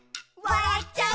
「わらっちゃう」